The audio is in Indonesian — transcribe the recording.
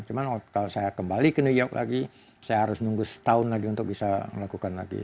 cuma kalau saya kembali ke new york lagi saya harus nunggu setahun lagi untuk bisa melakukan lagi